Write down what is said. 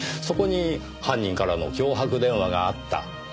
そこに犯人からの脅迫電話があった。